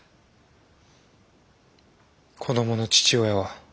子どもの父親は？